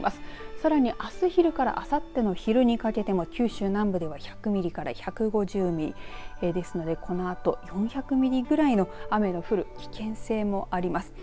さらにあす昼からあさっての昼にかけても九州南部では１００ミリから１５０ミリですのでこのあと４００ミリぐらいの雨が降る危険性もあります。